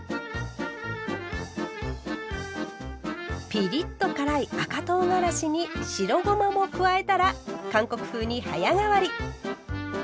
ピリッと辛い赤とうがらしに白ごまも加えたら韓国風に早変わり。